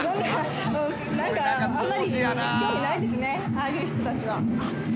「ああいう人たちは」